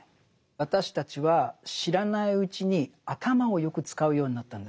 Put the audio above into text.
私たちは知らないうちに頭をよく使うようになったんです。